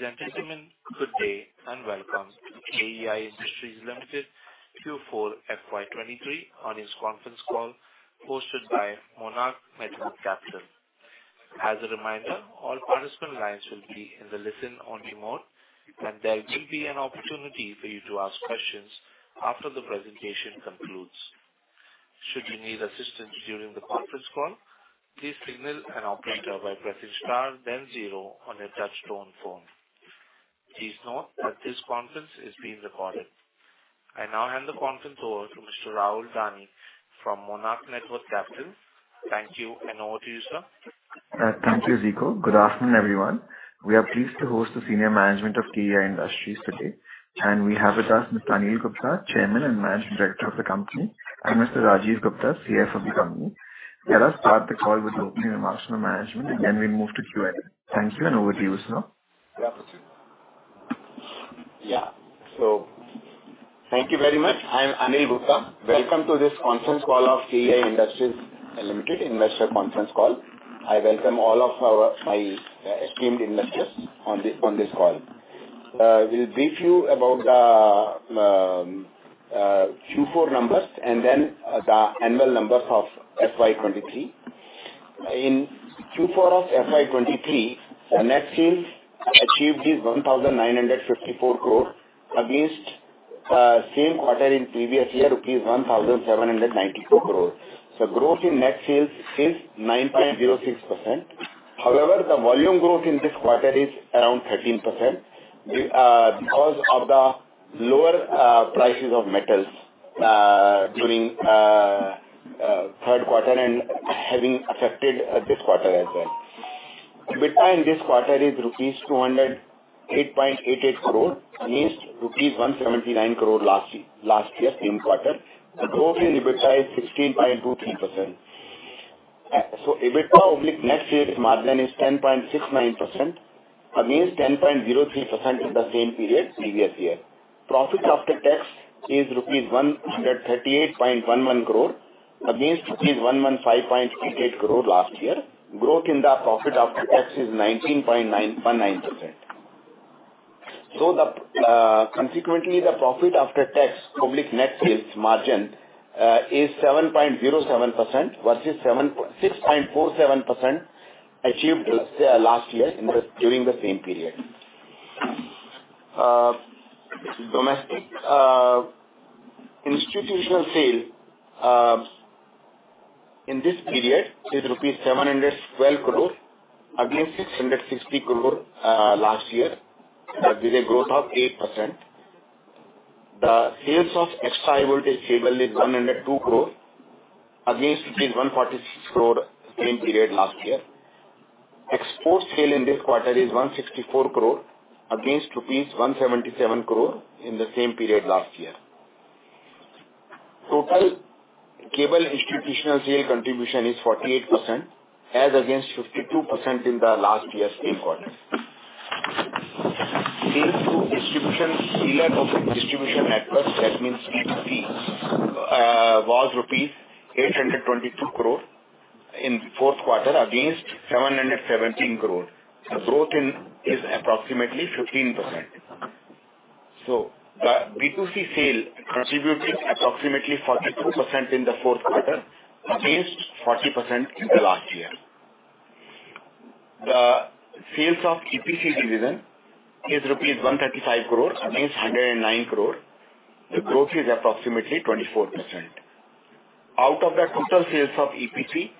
Ladies and gentlemen, good day. Welcome to KEI Industries Limited Q4 FY 2023 earnings conference call hosted by Monarch Networth Capital. As a reminder, all participant lines will be in the listen-only mode. There will be an opportunity for you to ask questions after the presentation concludes. Should you need assistance during the conference call, please signal an operator by pressing star then zero on your touch-tone phone. Please note that this conference is being recorded. I now hand the conference over to Mr. Rahul Dani from Monarch Networth Capital. Thank you. Over to you, sir. Thank you, Deepak. Good afternoon, everyone. We are pleased to host the senior management of KEI Industries today. We have with us Mr. Anil Gupta, Chairman and Managing Director of the company, and Mr. Rajeev Gupta, CFO of the company. Let us start the call with opening remarks from management. Then we move to Q&A. Thank you. Over to you, sir. Good afternoon. Thank you very much. I am Anil Gupta. Welcome to this conference call of KEI Industries Limited investor conference call. I welcome all of our, my esteemed investors on this call. We'll brief you about the Q4 numbers and then the annual numbers of FY 2023. In Q4 of FY 2023, the net sales achieved is 1,954 crore against same quarter in previous year, rupees 1,794 crore. Growth in net sales is 9.06%. However, the volume growth in this quarter is around 13% because of the lower prices of metals during third quarter and having affected this quarter as well. EBITDA in this quarter is rupees 208.88 crore against rupees 179 crore last year, same quarter. The growth in EBITDA is 16.23%. EBITDA over net sales margin is 10.69% against 10.03% in the same period previous year. Profit after tax is INR 138.11 crore against INR 115.68 crore last year. Growth in the profit after tax is 19.9%. Consequently, the profit after tax public net sales margin is 7.07% versus 6.47% achieved last year during the same period. Domestic institutional sale in this period is rupees 712 crore against 660 crore last year. That is a growth of 8%. The sales of Extra High Voltage cable is 102 crore against rupees 146 crore same period last year. Export sale in this quarter is 164 crore against rupees 177 crore in the same period last year. Total cable institutional sale contribution is 48% as against 52% in the last year's same quarter. Sales through distribution dealer of distribution network, that means ETP, was rupees 822 crore in fourth quarter against 717 crore. The growth in is approximately 15%. The B2C sale contributed approximately 42% in the fourth quarter against 40% in the last year. The sales of EPC division is rupees 135 crore against 109 crore. The growth is approximately 24%. Out of the total sales of EPC,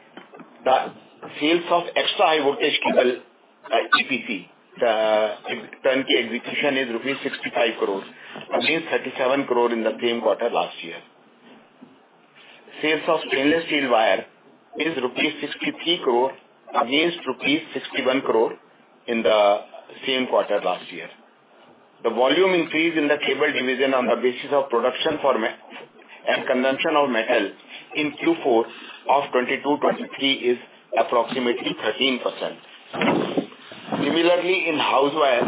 the sales of Extra High Voltage cable EPC, the turnkey execution is INR 65 crore against INR 37 crore in the same quarter last year. Sales of stainless steel wire is rupees 63 crore against rupees 61 crore in the same quarter last year. The volume increase in the cable division on the basis of production and consumption of metal in Q4 of 2022, 2023 is approximately 13%. Similarly, in House Wire,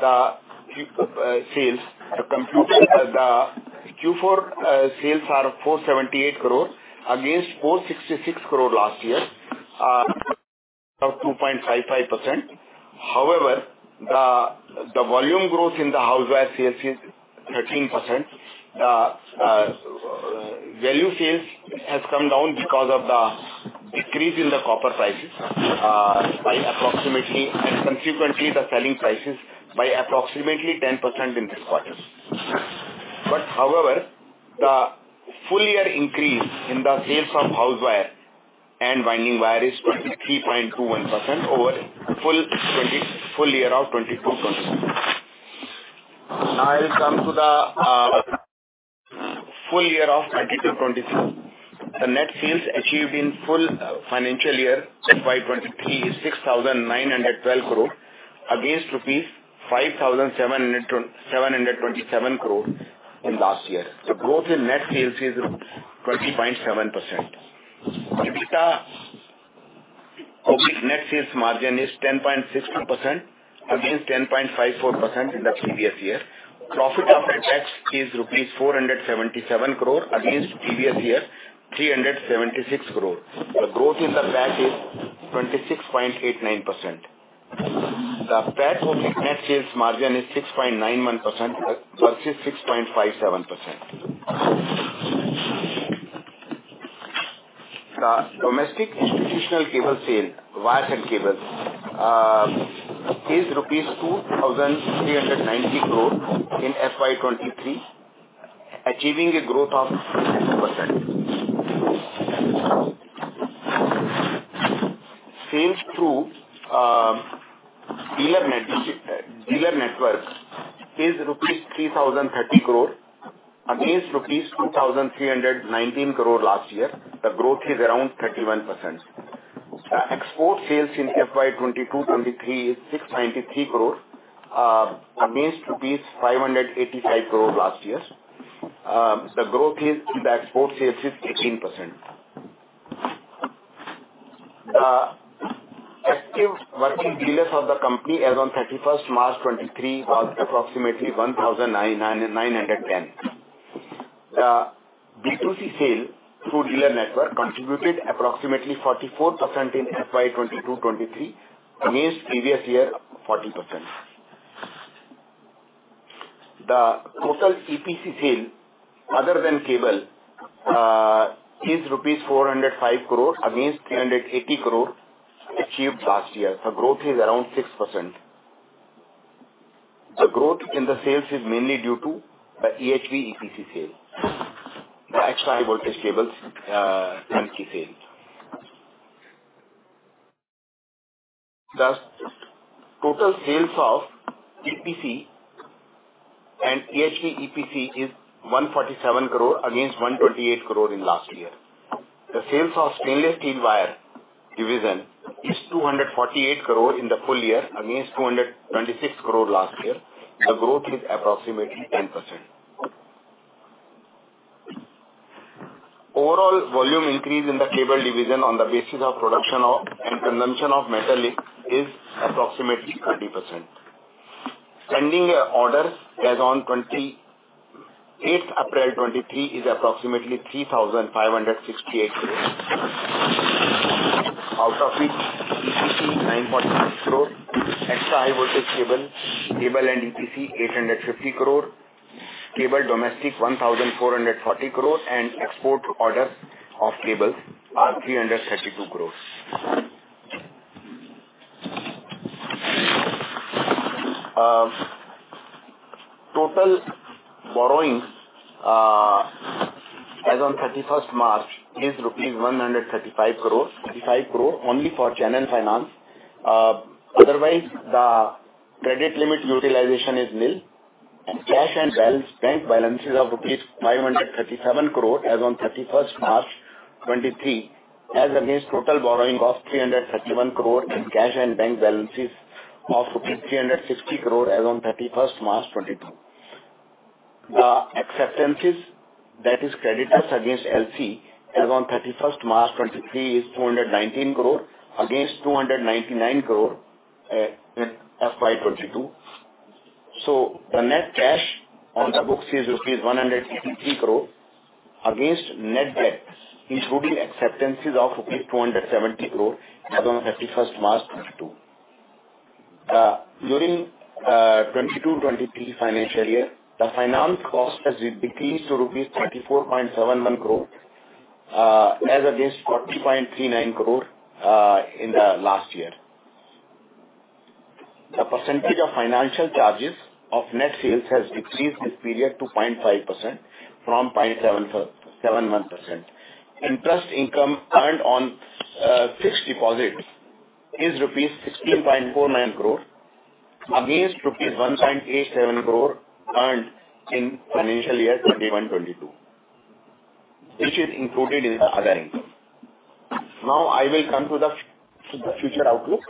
the Q4 sales are 478 crore against 466 crore last year, of 2.55%. The volume growth in the House Wire sales is 13%. Value sales has come down because of the decrease in the copper prices, by approximately and consequently the selling prices by approximately 10% in this quarter. However, the full year increase in the sales of House Wire and Winding Wire is 23.21% over full year of 2022. I'll come to the full year of financial 2023. The net sales achieved in full financial year FY 2023 is 6,912 crore against rupees 5,727 crore in last year. The growth in net sales is 20.7%. EBITDA over net sales margin is 10.62% against 10.54% in the previous year. Profit after tax is rupees 477 crore against previous year 376 crore. The growth in the PAT is 26.89%. The PAT for net sales margin is 6.91% versus 6.57%. The domestic institutional cable sale, Wire and Cable, is INR 2,390 crore in FY 2023, achieving a growth of percent. Sales through dealer network is 3,030 crore rupees against 2,319 crore rupees last year. The growth is around 31%. The export sales in FY 2022-2023 is 693 crore against 585 crore last year. The growth is, in the export sales is 18%. Active working dealers of the company as on 31st March 2023 are approximately 1,910. B2C sale through dealer network contributed approximately 44% in FY 2022-2023 against previous year, 40%. The total EPC sale other than Cable is rupees 405 crore against 380 crore achieved last year. The growth is around 6%. The growth in the sales is mainly due to the EHV EPC sale. The Extra High Voltage cables EPC sale. The total sales of EPC and EHV EPC is INR 147 crore against INR 128 crore in last year. The sales of Stainless Steel Wire Division is INR 248 crore in the full year against INR 226 crore last year. The growth is approximately 10%. Overall volume increase in the cable division on the basis of production of and consumption of metal is approximately 30%. Pending orders as on 28th April 2023 is approximately 3,568 crore. Out of it, EPC 9.6 crore, Extra High Voltage cable, Cable and EPC 850 crore, cable domestic 1,440 crore, export orders of cables are INR 332 crore. Total borrowings as on 31st March is INR 135 crore, INR 35 crore only for general finance. Otherwise, the credit limit utilization is nil, cash and balance bank balances of INR 537 crore as on 31st March 2023 as against total borrowing of INR 331 crore in cash and bank balances of INR 360 crore as on 31st March 2022. The acceptances, that is creditors against LC, as on 31st March 2023 is 219 crore against 299 crore in FY 2022. The net cash on the books is INR 153 crore against net debt, including acceptances of INR 270 crore as on 31st March 2022. During the 2022-2023 financial year, the finance cost has decreased to rupees 34.71 crore as against 40.39 crore in the last year. The percentage of financial charges of net sales has decreased this period to 0.5% from 0.71%. Interest income earned on fixed deposits is rupees 16.49 crore against rupees 1.87 crore earned in financial year 2021-2022, which is included in the other income. I will come to the future outlook.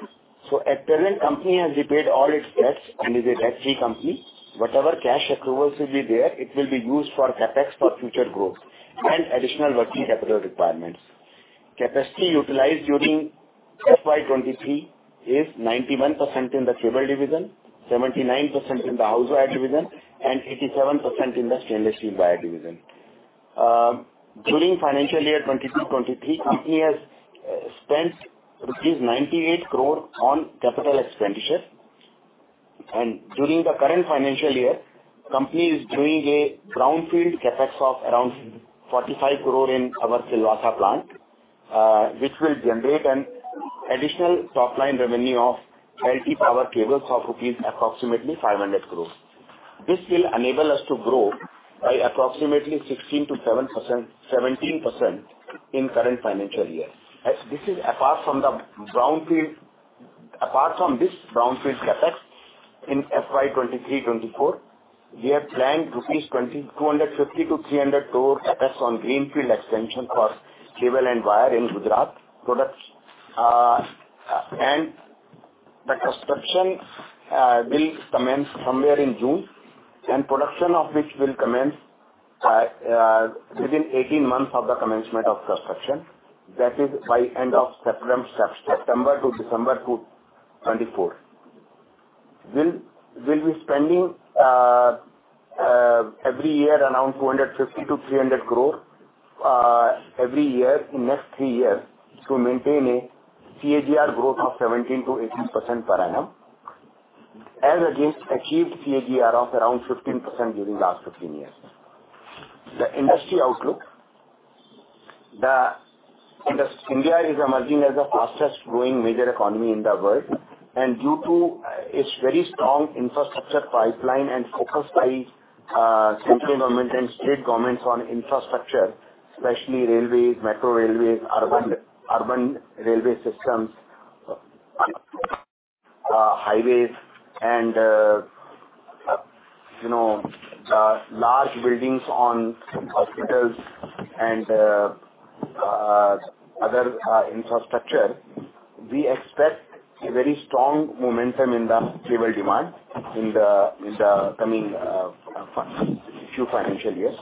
At present, company has repaid all its debts and is a debt-free company. Whatever cash accruals will be there, it will be used for CapEx for future growth and additional working capital requirements. Capacity utilized during FY 2023 is 91% in the cable division, 79% in the House Wire Division, and 87% in the Stainless Steel Wire Division. During financial year 2022-2023, company has spent rupees 98 crore on capital expenditure. During the current financial year, company is doing a brownfield CapEx of around 45 crore in our Silvassa plant, which will generate an additional top-line revenue of LT power cables of approximately 500 crore rupees. This will enable us to grow by approximately 16% to 7%, 17% in current financial year. As this is apart from the brownfield, apart from this brownfield CapEx in FY 2023-2024, we have planned 250-300 crore rupees CapEx on greenfield expansion for cable and wire in Gujarat products. The construction will commence somewhere in June, and production of which will commence within 18 months of the commencement of construction. That is by end of September to December 2024. We'll be spending every year around 250-300 crore every year in next three years to maintain a CAGR growth of 17%-18% per annum, as against achieved CAGR of around 15% during last 15 years. The industry outlook. India is emerging as the fastest growing major economy in the world, due to its very strong infrastructure pipeline and focused by central government and state governments on infrastructure, especially railways, metro railways, urban railway systems, highways and, you know, large buildings on hospitals and other infrastructure. We expect a very strong momentum in the cable demand in the coming few financial years.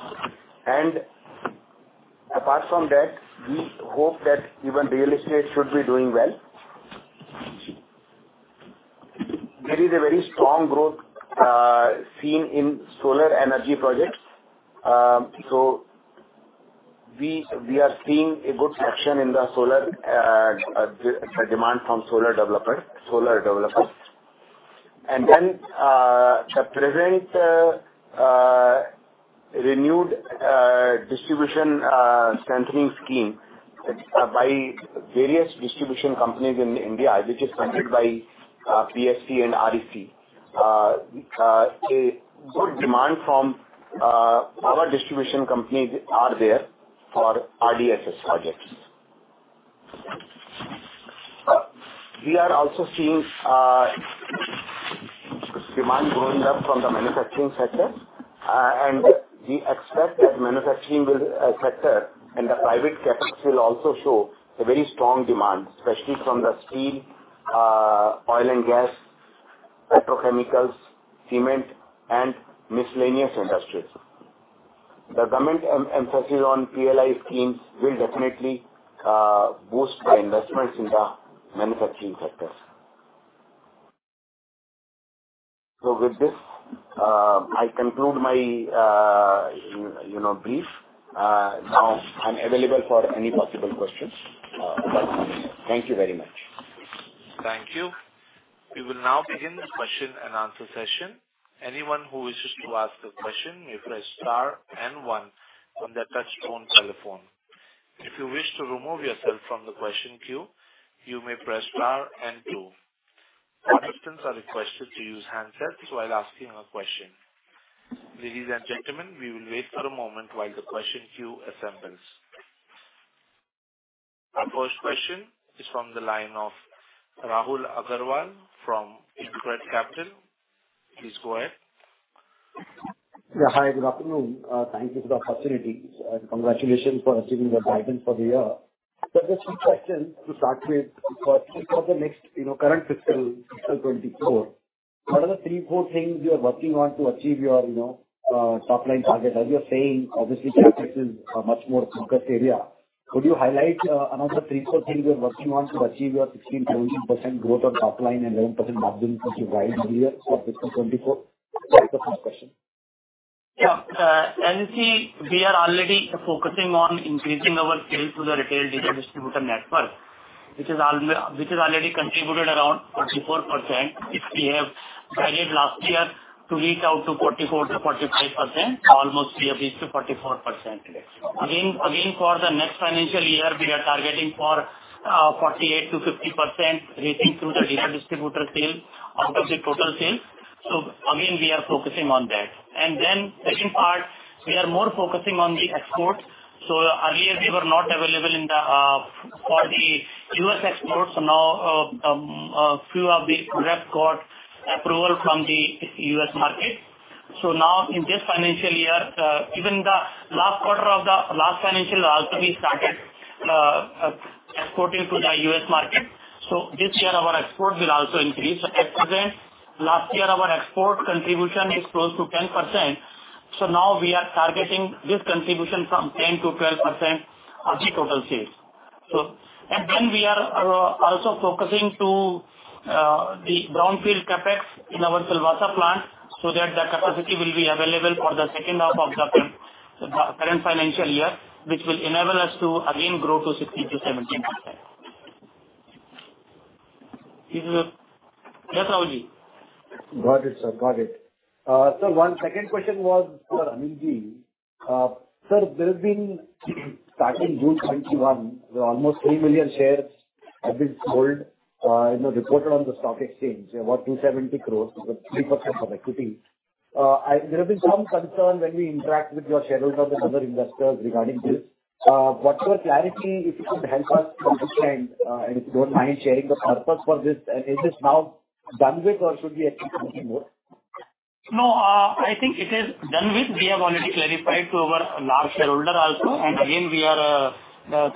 Apart from that, we hope that even real estate should be doing well. There is a very strong growth seen in solar energy projects. We are seeing a good traction in the solar demand from solar developers. The present renewed distribution strengthening scheme by various distribution companies in India, which is funded by PFC and REC. A good demand from our distribution companies are there for RDSS projects. We are also seeing demand going up from the manufacturing sector. We expect that manufacturing sector and the private CapEx will also show a very strong demand, especially from the steel, oil and gas, petrochemicals, cement and miscellaneous industries. The government emphasis on PLI schemes will definitely boost the investments in the manufacturing sectors. With this, I conclude my you know brief. Now I'm available for any possible questions. Thank you very much. Thank you. We will now begin the question and answer session. Anyone who wishes to ask a question, may press star and one on their touch-tone telephone. If you wish to remove yourself from the question queue, you may press star and two. Participants are requested to use handsets while asking a question. Ladies and gentlemen, we will wait for a moment while the question queue assembles. Our first question is from the line of Rahul Agarwal from InCred Capital. Please go ahead. Yeah. Hi, good afternoon. Thank you for the facilities and congratulations for achieving the guidance for the year. Sir, just two questions to start with. For the next, you know, current fiscal 2024, what are the three, four things you are working on to achieve your, you know, top line target? As you are saying, obviously CapEx is a much more focused area. Could you highlight another three, four things you are working on to achieve your 16%-17% growth on top line and 11% margin which you guide here for fiscal 2024? That's the first question. Yeah. As you see, we are already focusing on increasing our sales to the retail data distributor network, which has already contributed around 44%. If we have guided last year to reach out to 44%-45%, almost we have reached to 44%. Again, for the next financial year, we are targeting for 48%-50% reaching to the data distributor sales out of the total sales. Again, we are focusing on that. Second part, we are more focusing on the export. Earlier we were not available in the for the U.S. exports. Now, few of the reps got approval from the U.S. market. Now in this financial year, even the last quarter of the last financial also we started exporting to the U.S. market. This year our export will also increase. At present, last year our export contribution is close to 10%. Now we are targeting this contribution from 10%-12% of the total sales. Then we are also focusing to the brownfield CapEx in our Silvassa plant, so that the capacity will be available for the second half of the current financial year, which will enable us to again grow to 16%-17%. Yes, Rahul Ji. Got it, sir. Got it. Sir, one second question was for Anil Ji. Sir, there has been starting June 2021, almost 3 million shares have been sold, in the reported on the stock exchange, about 270 crore, so 3% of equity. There have been some concern when we interact with your shareholder and other investors regarding this. What's your clarity, if you could help us to understand, and if you don't mind sharing the purpose for this. Is this now done with or should we expect something more? No, I think it is done with. We have already clarified to our large shareholder also, and again we are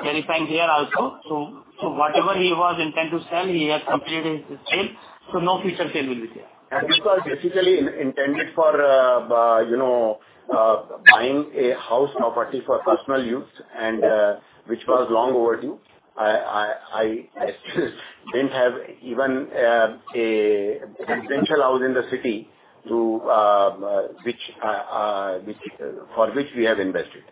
clarifying here also. Whatever he was intent to sell, he has completed his sale, so no future sale will be there. This was basically intended for, you know, buying a house property for personal use and, which was long overdue. I didn't have even a residential house in the city to which, for which we have invested.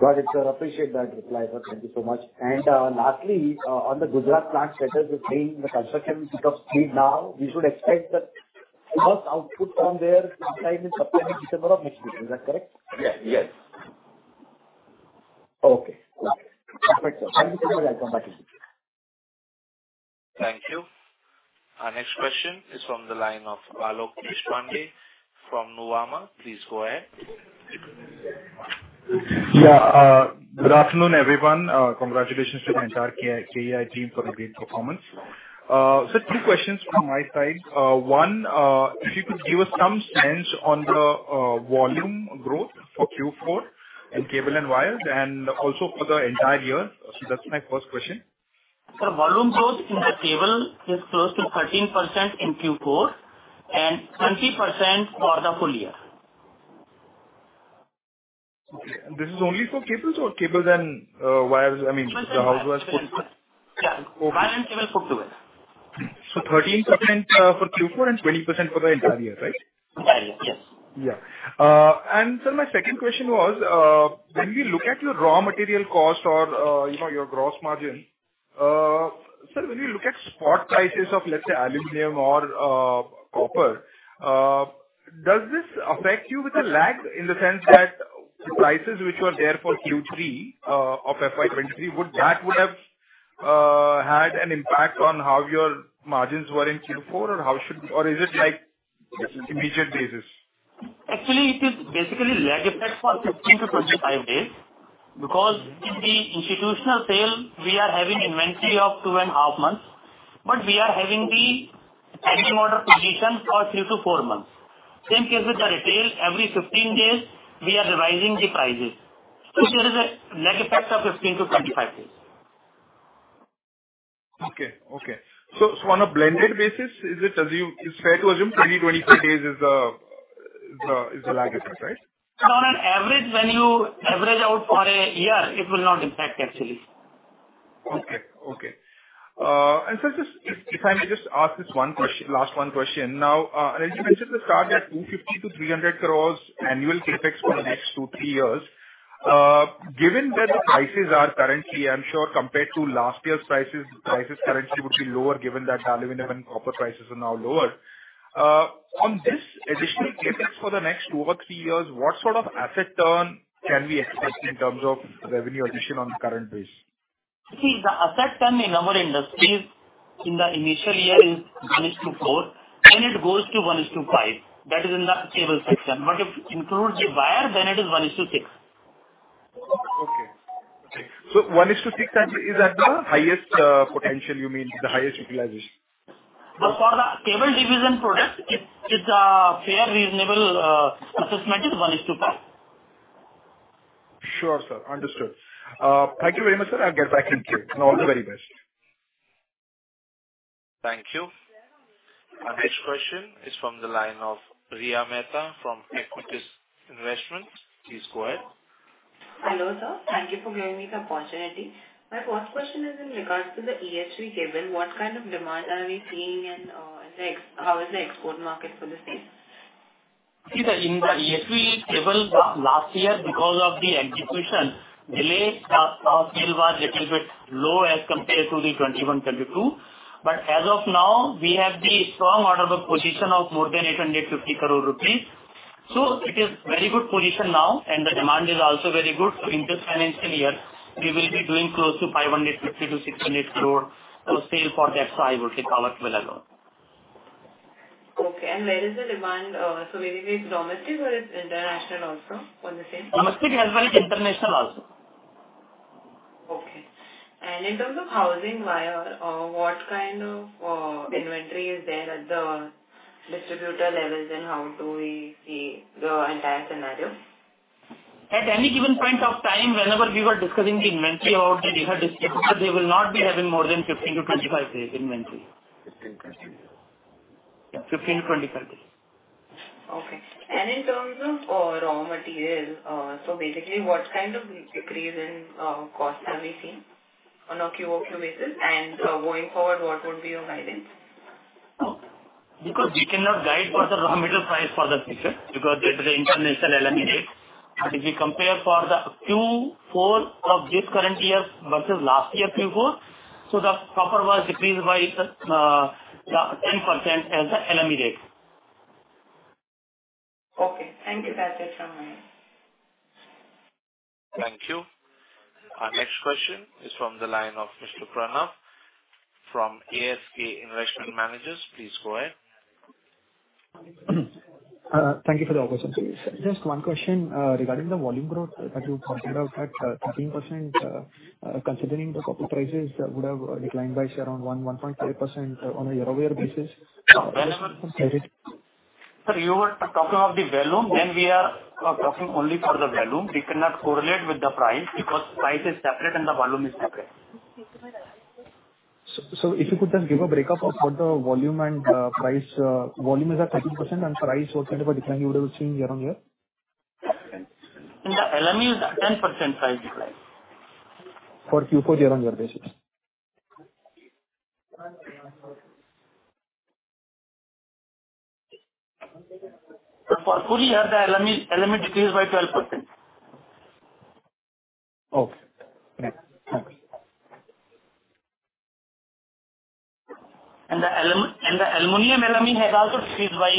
Got it, sir. Appreciate that reply, sir. Thank you so much. Lastly, on the Gujarat plant that is staying in the construction speed now, we should expect the first output from there sometime in September or next week. Is that correct? Yes, yes. Okay. Perfect, sir. Thank you so much. I'll come back to you. Thank you. Our next question is from the line of Alok Deshpande from Nuvama. Please go ahead. Yeah. Good afternoon, everyone. Congratulations to the entire KEI team for the great performance. Two questions from my side. One, if you could give us some sense on the volume growth for Q4 in cable and wires and also for the entire year. That's my first question. Volume growth in the cable is close to 13% in Q4 and 20% for the full year. Okay. This is only for cables or cables and wires, I mean, the House Wires put together? Yeah. Okay. Wires and cables put together. 13% for Q4 and 20% for the entire year, right? Entire year, yes. Yeah. Sir, my second question was, when we look at your raw material cost or, you know, your gross margin, sir, when you look at spot prices of, let's say, aluminum or, copper, does this affect you with a lag in the sense that the prices which were there for Q3, of FY 2023, would that would have had an impact on how your margins were in Q4, or is it like immediate basis? It is basically lag effect for 15 to 25 days because in the institutional sale, we are having inventory of 2.5 months, but we are having the active order position for three to four months. Same case with the retail. Every 15 days we are revising the prices. There is a lag effect of 15 to 25 days. Okay. Okay. On a blended basis, it's fair to assume 20-25 days is the lag effect, right? On an average, when you average out for a year, it will not impact actually. Okay. Okay. Sir, just if I may just ask this one last one question. Now, as you mentioned the target 250-300 crore annual CapEx for the next two to three years, given that the prices are currently, I'm sure compared to last year's prices currently would be lower given that aluminum and copper prices are now lower. On this additional CapEx for the next to three years, what sort of asset turn can we expect in terms of revenue addition on current base? See, the asset turn in our industry in the initial year is 1:4, then it goes to 1:5. That is in the cable section. If you include the wire, then it is 1:6. Okay. 1:6 at, is at the highest, potential you mean, the highest utilization? For the cable division products, it's a fair, reasonable assessment is 1:5. Sure, sir. Understood. Thank you very much, sir. I'll get back in queue. All the very best. Thank you. Our next question is from the line of Riya Mehta from Aequitas Investments. Please go ahead. Hello, sir. Thank you for giving me the opportunity. My first question is in regards to the EHV cable. What kind of demand are we seeing and, how is the export market for the same? In the EHV cable, last year because of the execution delay, our sale was little bit low as compared to 2021-2022. As of now we have the strong order book position of more than 850 crore rupees. It is very good position now, and the demand is also very good. In this financial year we will be doing close to 550-600 crore of sale for that. I would say power will allow. Okay. Where is the demand? Basically it's domestic or it's international also for the same? Domestic as well as international also. Okay. In terms of House Wire, what kind of inventory is there at the distributor levels and how do we see the entire scenario? At any given point of time, whenever we were discussing the inventory or the dealer distributor, they will not be having more than 15-25 days inventory. 15, 20 days. Yeah, 15-25 days. Okay. In terms of raw materials, basically what kind of decrease in cost have we seen on a QoQ basis? Going forward, what would be your guidance? We cannot guide for the raw material price for the future because it is the international LME rates. If we compare for the Q4 of this current year versus last year Q4, the copper was decreased by 10% as the LME rate. Okay. Thank you. That's it from my end. Thank you. Our next question is from the line of Mr. Pranav from ASK Investment Managers. Please go ahead. Thank you for the opportunity. Just one question regarding the volume growth that you talked about at 13%, considering the copper prices would have declined by say around 1%-1.3% on a year-over-year basis. Whenever- Sorry. Sir, you were talking of the volume, we are talking only for the volume. We cannot correlate with the price because price is separate and the volume is separate. If you could just give a breakup of what the volume and, price, volume is at 13% and price was kind of declining a little since year-on-year. Yeah. LME is at 10% price decline. For Q4 year-on-year basis. For full year, the LME decreased by 12%. Okay. Yeah. Okay. The aluminum LME has also decreased by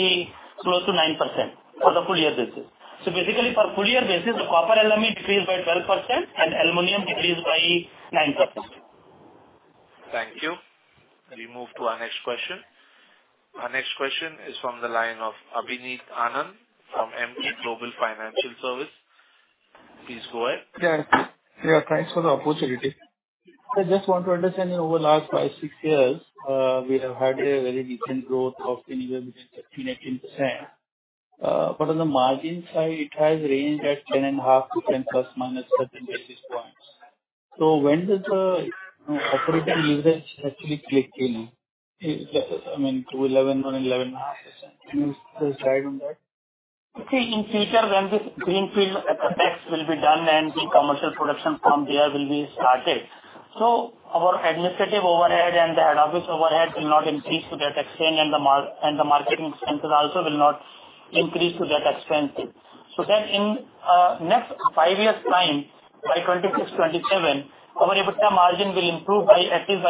close to 9% for the full year basis. Basically, for full year basis, the copper LME decreased by 12% and aluminum decreased by 9%. Thank you. We move to our next question. Our next question is from the line of Abhineet Anand from Emkay Global Financial Service. Please go ahead. Yeah, thanks for the opportunity. I just want to understand, you know, over the last five, six years, we have had a very decent growth of anywhere between 13%-18%. But on the margin side, it has ranged at 10.5% to 10± certain basis points. When does the operating leverage actually kick in? Is, I mean, to 11% or 11.5%. Can you please guide on that? In future when this greenfield CapEx will be done and the commercial production from there will be started. Our administrative overhead and the head office overhead will not increase to that extent and the marketing expenses also will not increase to that extent. That in next five years' time, by 2026, 2027, our EBITDA margin will improve by at least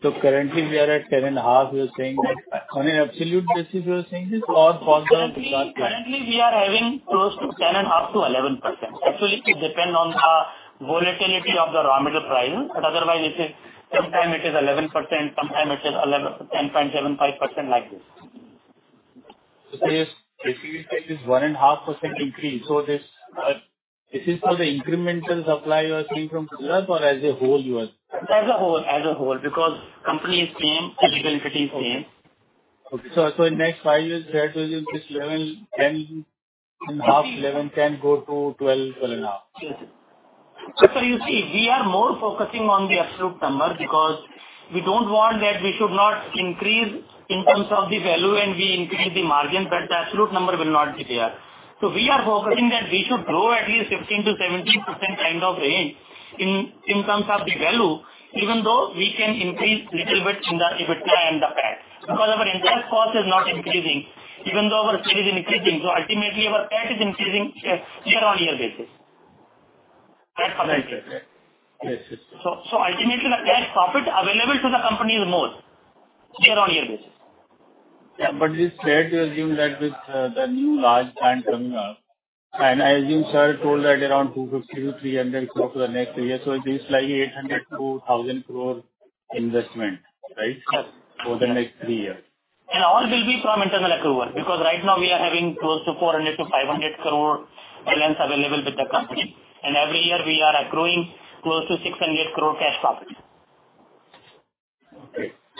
1.5%. Currently we are at 10.5%, you're saying that. On an absolute basis, you're saying this or for the Currently, we are having close to 10.5%-11%. Actually, it depends on the volatility of the raw material price. otherwise it is. Sometimes it is 11%, sometimes it is 10.75%, like this. There is basically it is 1.5% increase. This, is it for the incremental supply you are seeing from Silvassa or as a whole you are- As a whole, because company is same, the people sitting same. Okay. In next five years, that will be this level, 10.5%, 11%, 10% go to 12.5%. Yes. You see, we are more focusing on the absolute number because we don't want that we should not increase in terms of the value and we increase the margin, but the absolute number will not be there. We are focusing that we should grow at least 15%-17% kind of range in terms of the value, even though we can increase little bit in the EBITDA and the PAT, because our interest cost is not increasing even though our sales is increasing. Ultimately our PAT is increasing year-on-year basis. PAT for the interest. Yes, yes. Ultimately the cash profit available to the company is more year-on-year basis. Is it fair to assume that with the new large plant coming up, and as you, sir, told that around 250-300 crore for the next three years. It is like 800-1,000 crore investment, right? Yes. For the next three years. All will be from internal accrual, because right now we are having close to 400-500 crore balance available with the company. Every year we are accruing close to 600 crore cash profit.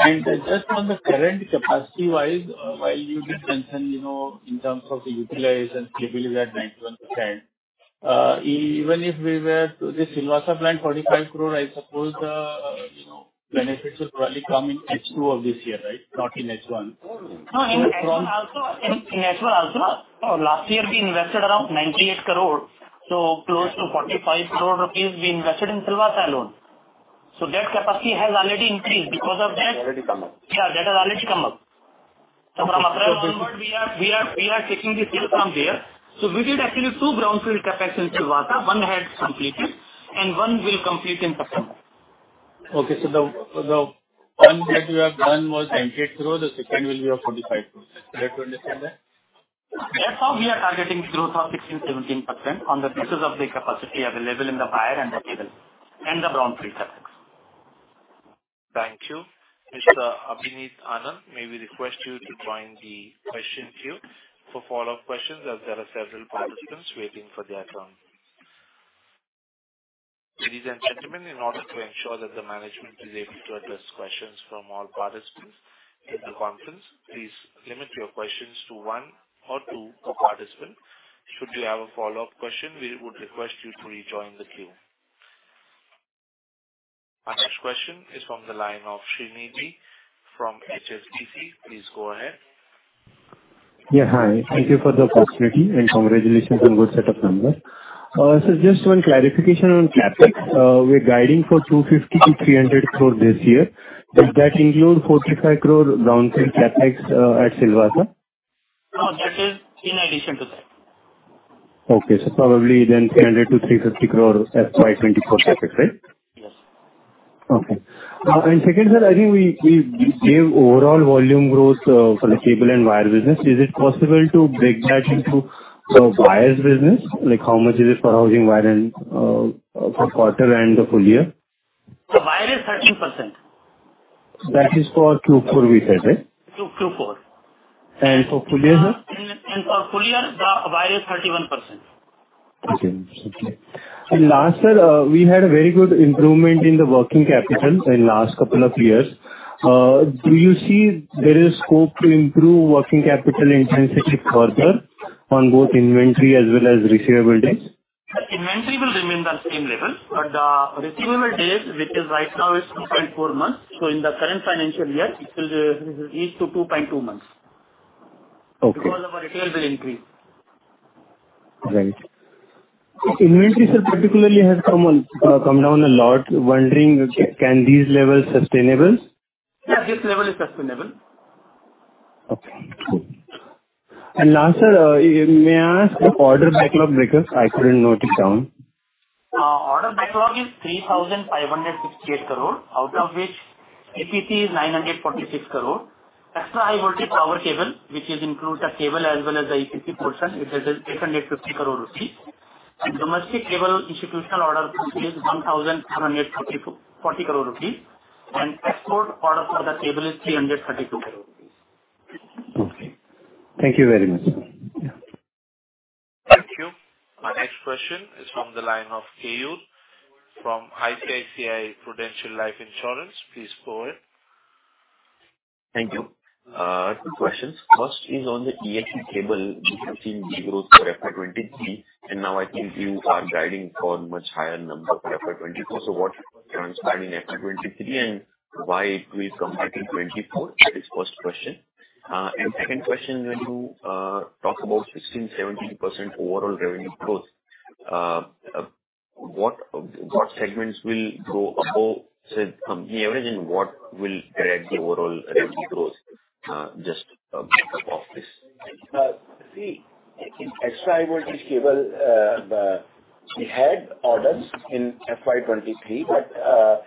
Okay. Just on the current capacity wise, while you did mention, you know, in terms of the utilization capability at 91%, even if we were to this Silvassa plant, 45 crore, I suppose, you know, benefits would probably come in H2 of this year, right? Not in H1. No, in H1 also. In H1 also. Last year we invested around 98 crore. Close to 45 crore rupees we invested in Silvassa alone. That capacity has already increased because of that. Already come up. Yeah, that has already come up. From April onward we are taking the bill from there. We did actually two greenfield CapEx in Silvassa. One has completed and one will complete in September. Okay. The one that you have done was 98 crore. The second will be of 45 crore. Did I understand that? That's how we are targeting growth of 16%, 17% on the basis of the capacity available in the wire and the cable, and the brownfield CapEx. Thank you. Mr. Abhineet Anand, may we request you to join the question queue for follow-up questions, as there are several participants waiting for their turn. Ladies and gentlemen, in order to ensure that the management is able to address questions from all participants in the conference, please limit your questions to one or two per participant. Should you have a follow-up question, we would request you to rejoin the queue. Our next question is from the line of Srinidhi from HSBC. Please go ahead. Yeah, hi. Thank you for the opportunity, congratulations on good set of numbers. Just one clarification on CapEx. We're guiding for 250-300 crore this year. Does that include 45 crore brownfield CapEx at Silvassa? No, that is in addition to that. Okay. Probably then 300-350 crore FY 2024 CapEx, right? Yes. Okay. Second, sir, I think we gave overall volume growth for the cable and wire business. Is it possible to break that into the wires business? Like, how much is it for House Wire and for quarter and the full year? The wire is 13%. That is for Q4 we said, right? Q-Q4. For full year, sir? For full year, the wire is 31%. Okay. Okay. Last, sir, we had a very good improvement in the working capital in last couple of years. Do you see there is scope to improve working capital intensity further? On both inventory as well as receivable days. Inventory will remain the same level, but the receivable days, which is right now is 2.4 months. In the current financial year it will be, it will reach to 2.2 months. Okay. Because of our retail will increase. Right. Inventory, sir, particularly has come down a lot. Wondering can these levels sustainable? Yeah, this level is sustainable. Okay, cool. Last, sir, may I ask the order backlog breakers? I couldn't note it down. Order backlog is 3,568 crore, out of which EPC is 946 crore. Extra High Voltage power cable, which is include the cable as well as the EPC portion. It is 850 crore rupees. Domestic cable institutional order book is 1,740 crore rupees. Export order for the cable is 332 crore rupees. Okay. Thank you very much. Yeah. Thank you. Our next question is from the line of Keyur from ICICI Prudential Life Insurance. Please go ahead. Thank you. Two questions. First is on the EHV cable, we have seen zero for FY 2023, and now I think you are guiding for much higher number for FY 2024. What transpired in FY 2023 and why it will come back in 2024? That is first question. Second question, when you talk about 16%-17% overall revenue growth, what segments will go above, say, the average and what will drag the overall revenue growth? Just a bit of office. See, in Extra High Voltage cable, we had orders in FY 2023. A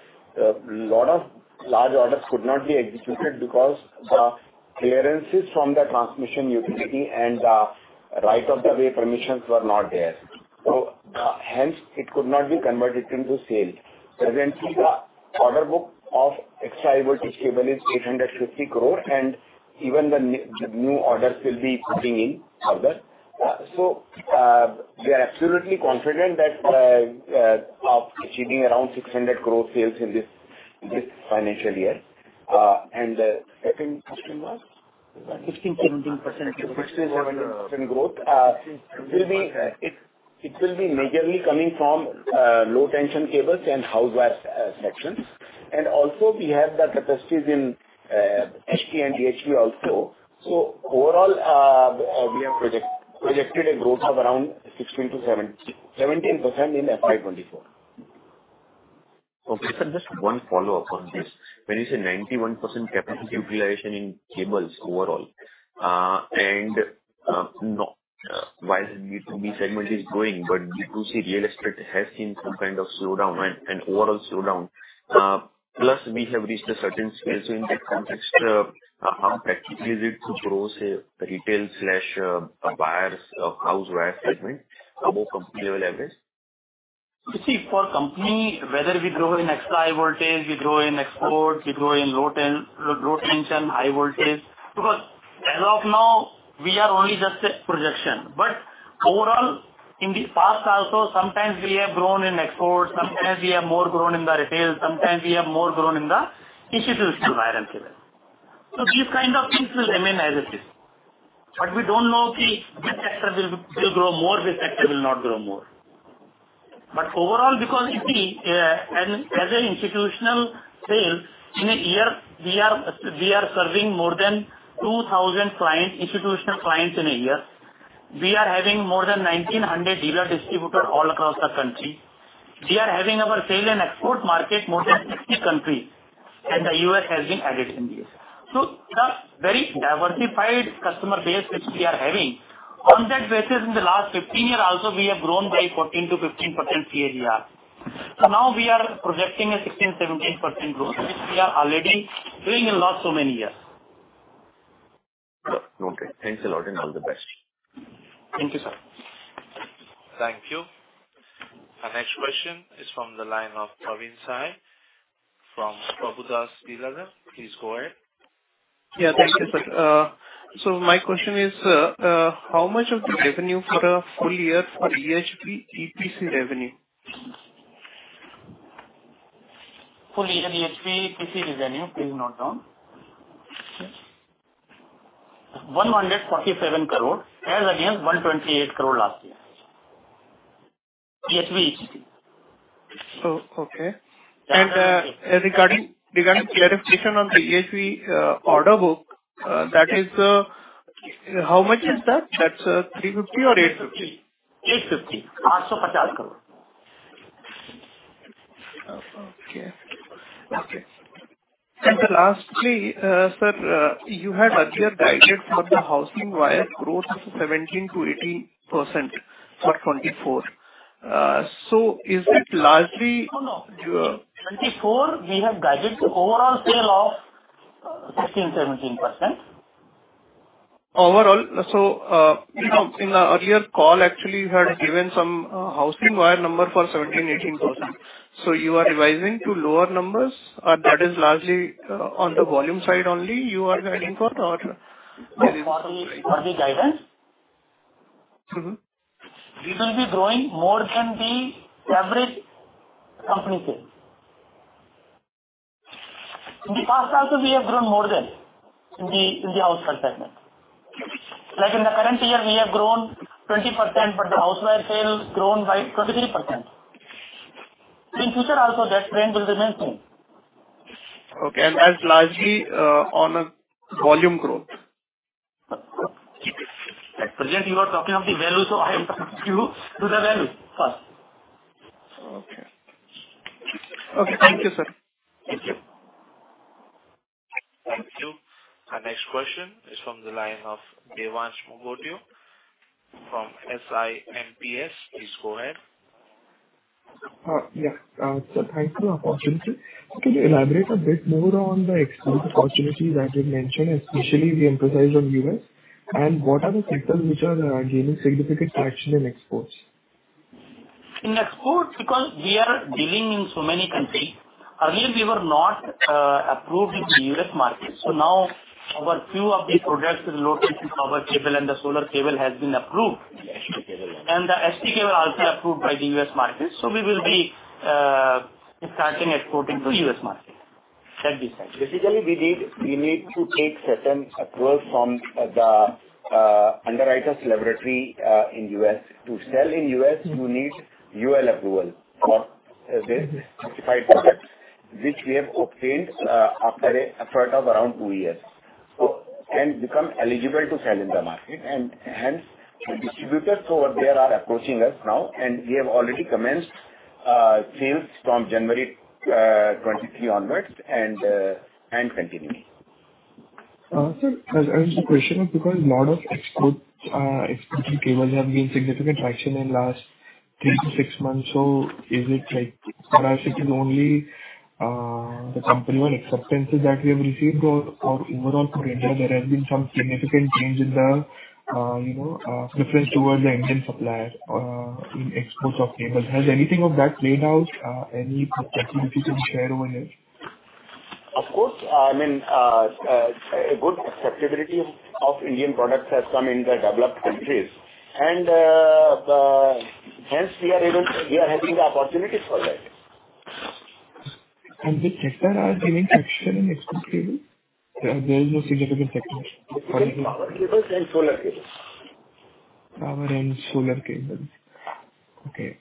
lot of large orders could not be executed because the clearances from the transmission utility and the right of the way permissions were not there. Hence it could not be converted into sales. Presently the order book of Extra High Voltage cable is 850 crore and even the new orders will be putting in further. We are absolutely confident that of achieving around 600 crore sales in this financial year. Second question was? 16%, 17%- 16%, 17% growth will be. It will be majorly coming from low tension cables and House Wire sections. Also we have the capacities in HD and DHD also. Overall, we have projected a growth of around 16%-17% in FY 2024. Sir, just one follow-up on this. When you say 91% capacity utilization in cables overall, and while B2B segment is growing, but B2C real estate has seen some kind of slowdown, overall slowdown. Plus we have reached a certain scale. In that context, how practical is it to grow, say, retail slash, buyers of House Wire segment on a company level at best? You see, for company, whether we grow in Extra High Voltage, we grow in export, we grow in Low Tension, High Voltage, because as of now we are only just a projection. Overall, in the past also sometimes we have grown in export, sometimes we have more grown in the retail, sometimes we have more grown in the institutions wire and cable. These kind of things will remain as it is. We don't know, see, this sector will grow more, this sector will not grow more. Overall because you see, as a institutional sales in a year, we are serving more than 2,000 clients, institutional clients in a year. We are having more than 1,900 dealer distributor all across the country. We are having our sale and export market more than 60 countries, and the U.S. has been added in this. The very diversified customer base which we are having, on that basis in the last 15 years also we have grown by 14%-15% CAGR. Now we are projecting a 16%-17% growth which we are already doing a lot so many years. Okay. Thanks a lot and all the best. Thank you, sir. Thank you. Our next question is from the line of Praveen Sahay from Prabhudas Lilladher. Please go ahead. Yeah. Thank you, sir. My question is, how much of the revenue for a full year for EHV EPC revenue? Full year EHV EPC revenue, please note down. 147 crore as against 128 crore last year. EHV EPC. Oh, okay. regarding clarification on the EHV order book, that is, how much is that? That's, 350 or 850? 850. 850 crore. Okay. Lastly, Sir, you had earlier guided for the House Wire growth of 17%-18% for 2024. Is it largely? No, no. Your- 2024 we have guided the overall sale of 16%-17%. Overall. In the earlier call, actually you had given some House Wire number for 17%-18%. You are revising to lower numbers, or that is largely, on the volume side only you are guiding for? No, for the guidance. Mm-hmm. We will be growing more than the average company sales. In the past also we have grown more than in the House Wire segment. Like in the current year, we have grown 20%, but the House Wire sales grown by 23%. In future also, that trend will remain same. Okay. That's largely on a volume growth. At present you are talking of the value, so I'll take you to the value first. Okay. Okay. Thank you, sir. Thank you. Thank you. Our next question is from the line of Devansh Nigotia from SiMPL. Please go ahead. Yeah. Thank you for the opportunity. Could you elaborate a bit more on the export opportunities that you mentioned, especially the emphasis on U.S., and what are the sectors which are gaining significant traction in exports? In exports, because we are dealing in so many countries. Earlier we were not approved in the U.S. market. Now our few of the products related to power cable and the solar cable has been approved. The HV cable also. The HV cable also approved by the U.S. market. We will be starting exporting to U.S. market at this time. Basically, we need to take certain approval from the Underwriters Laboratories in U.S. To sell in U.S., you need UL approval for this specified product, which we have obtained after a effort of around two years. Can become eligible to sell in the market. Hence the distributors over there are approaching us now, and we have already commenced sales from January 23 onwards and continuing. Sir, I have a question because a lot of export, exporting cables have been significant traction in last three to six months. Is it like perhaps it is only the company-wide acceptances that we have received or overall for India there has been some significant change in the, you know, preference towards the Indian supplier, in exports of cable. Has anything of that played out? Any perspective you can share over here? Of course. I mean, a good acceptability of Indian products has come in the developed countries and, Hence we are having the opportunities for that. Which sector are gaining traction in export cable? There is no significant sector. Power cables and solar cables. Power and solar cables. Okay.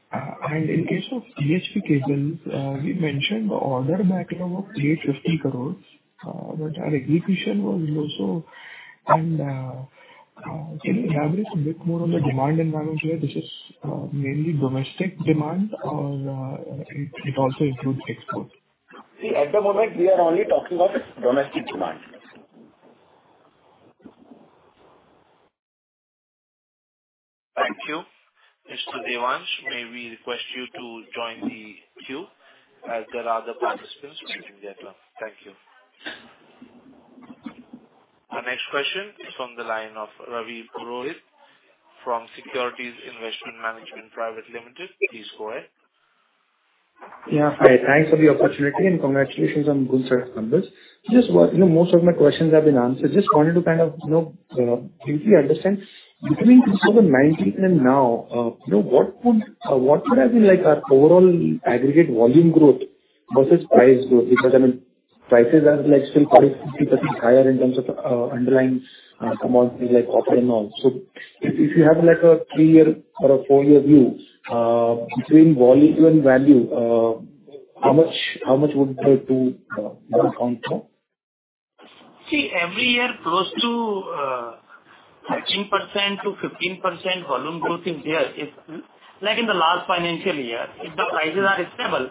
In case of HV cables, we mentioned the order backlog of 850 crores, but our execution was low. Can you elaborate a bit more on the demand environment where this is mainly domestic demand or it also includes export? See, at the moment we are only talking of domestic demand. Thank you. Mr. Devansh, may we request you to join the queue as there are other participants waiting there as well. Thank you. Our next question is from the line of Ravi Purohit from Securities Investment Management Private Limited. Please go ahead. Yeah. Hi, thanks for the opportunity and congratulations on good set of numbers. Just what, you know, most of my questions have been answered. Just wanted to kind of, you know, deeply understand between 2019 and now, you know, what would, what would have been like our overall aggregate volume growth versus price growth? Because I mean prices are like still 40%, 50% higher in terms of underlying commodities like copper and all. If you have like a three-year or a four-year view, between volume and value, how much would the two, one count for? Every year close to 13% to 15% volume growth is there. It's, like in the last financial year, if the prices are stable,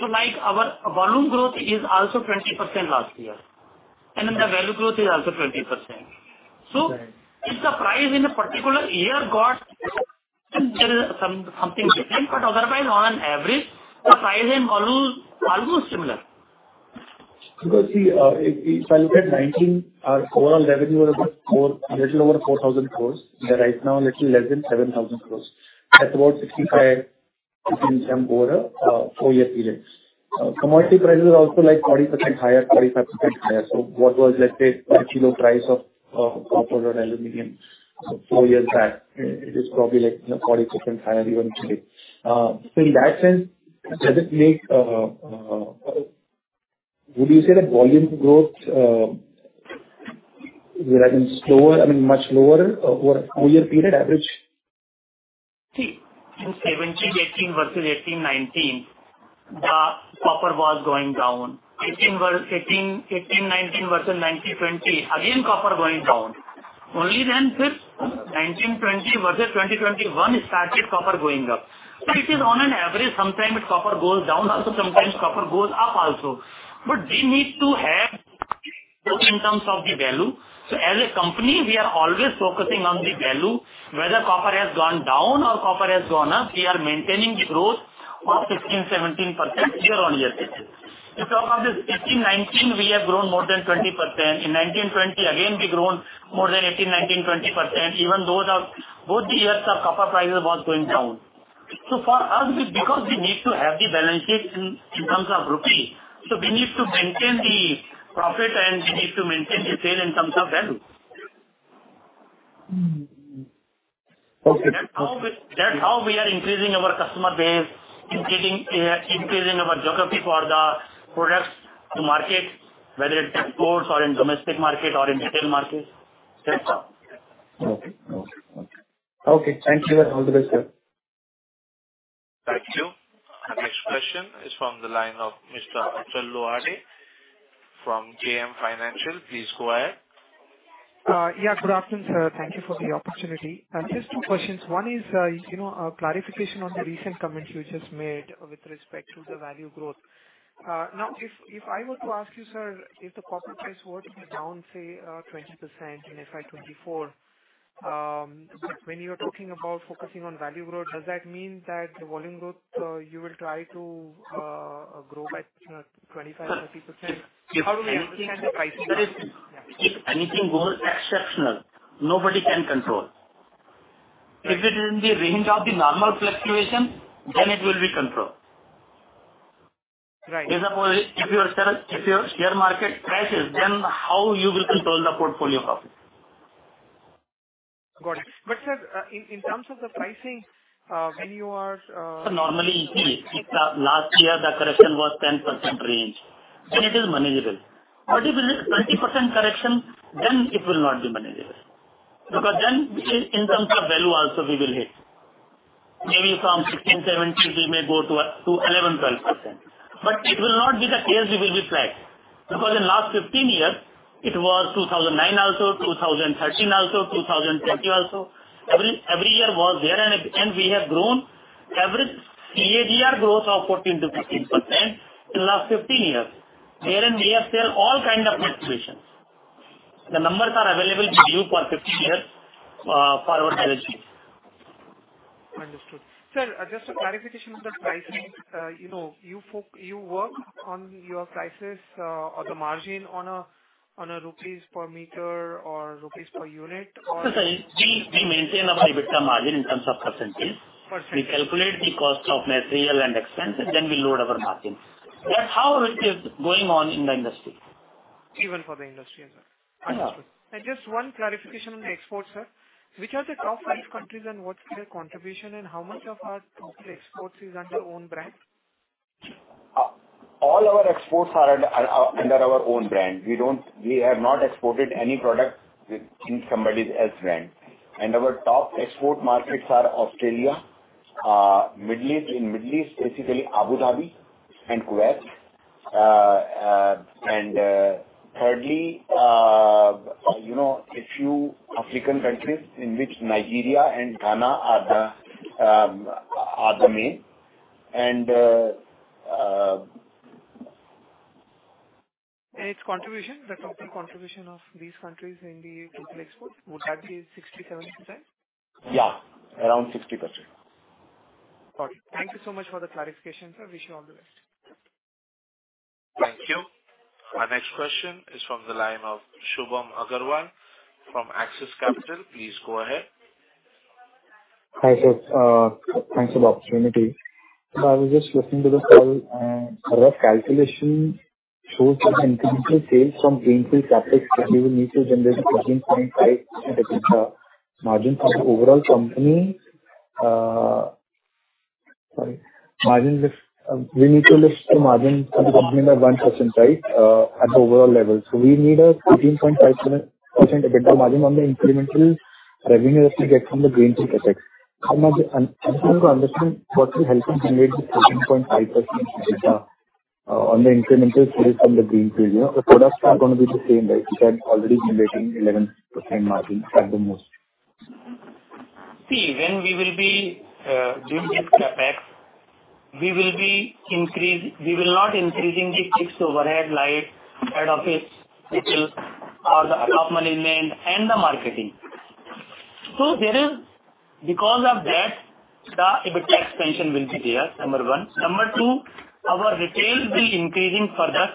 so like our volume growth is also 20% last year, and then the value growth is also 20%. Right. If the price in a particular year got something different, but otherwise on an average the price is almost similar. See, if I look at 2019, our overall revenue was just a little over 4,000 crore. Right now a little less than 7,000 crore. That's about a 65% jump over a four-year period. Commodity prices are also like 40% higher, 45% higher. What was, let's say, per kilo price of copper or aluminum four years back, it is probably like, you know, 40% higher even today. In that sense, would you say that volume growth would have been slower, I mean, much lower over a four-year period average? In 2017-2018 versus 2018-2019, the copper was going down. 2018-2019 versus 2019-2020, again copper going down. Since 2019-2020 versus 2020-2021 started copper going up. It is on an average. Sometimes copper goes down also, sometimes copper goes up also. We need to have growth in terms of the value. As a company, we are always focusing on the value. Whether copper has gone down or copper has gone up, we are maintaining the growth of 15%-17% year-on-year basis. If you talk of this 2018-2019, we have grown more than 20%. In 2019-2020, again we grown more than 18%, 19%, 20%. Even those are, both the years our copper prices was going down. For us, because we need to have the balance sheet in terms of rupee, we need to maintain the profit and we need to maintain the sale in terms of value. Okay. That's how we are increasing our customer base, increasing our geography for the products to market, whether it's exports or in domestic market or in retail markets, that's how. Okay. Okay. Okay. Thank you, sir. All the best, sir. Thank you. Our next question is from the line of Mr. Achal Lohade from JM Financial. Please go ahead. Yeah, good afternoon, sir. Thank you for the opportunity. Just two questions. One is, you know, a clarification on the recent comments you just made with respect to the value growth. If I were to ask you, sir, if the copper price were to be down, say, 20% in FY 2024, when you are talking about focusing on value growth, does that mean that the volume growth, you will try to grow by 25%-30%? How do we understand the pricing? If anything goes exceptional, nobody can control. If it is in the range of the normal fluctuation, then it will be controlled. Right. Example, if your share market crashes, then how you will control the portfolio profit? Got it. sir, in terms of the pricing, when you are. Normally, if the last year the correction was 10% range, then it is manageable. If it is 20% correction, then it will not be manageable. In terms of value also we will hit. Maybe from 16%, 17%, we may go to 11%, 12%. It will not be the case we will be flat. In last 15 years, it was 2009 also, 2013 also, 2020 also. Every year was there and we have grown average CAGR growth of 14%-15% in the last 15 years. Here and there are all kind of fluctuations. The numbers are available with you for 15 years for our value chain. Understood. Sir, just a clarification on the pricing. You know, you work on your prices, or the margin on a rupees per meter or rupees per unit or? No, sir, we maintain our EBITDA margin in terms of percent. Percent. We calculate the cost of material and expense, then we load our margin. That's how it is going on in the industry. Even for the industry. Understood. Yeah. Just one clarification on the export, sir. Which are the top five countries and what's their contribution, and how much of our total exports is under own brand? All our exports are under our own brand. We have not exported any product in somebody else brand. Our top export markets are Australia, Middle East. In Middle East, basically Abu Dhabi and Kuwait. Thirdly, you know, a few African countries in which Nigeria and Ghana are the main. Its contribution, the total contribution of these countries in the total export, would that be 60%, 70%? Yeah, around 60%. Got it. Thank you so much for the clarifications, sir. Wish you all the best. Thank you. Our next question is from the line of Shubham Agarwal from Axis Capital. Please go ahead. Hi, sir. Thanks for the opportunity. I was just listening to the call and our calculation shows that the incremental sales from greenfield CapEx that you will need to generate a 13.5% EBITDA margin for the overall company. Sorry. Margin lift, we need to lift the margin for the company by 1%, right, at the overall level. We need a 13.5% EBITDA margin on the incremental revenue that we get from the greenfield CapEx. I'm trying to understand what will help you generate this 13.5% EBITDA on the incremental sales from the greenfield. You know, the products are gonna be the same, right? Which are already generating 11% margin at the most. When we will be doing this CapEx, we will not increasing the fixed overhead like head office, people or the top management and the marketing. There is, because of that, the EBITDA expansion will be there, number one. Number two, our retail will increasing further,